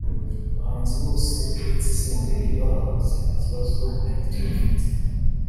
Abahanzi bose uretse Senderi bahagurutse nta kibazo na gito bafite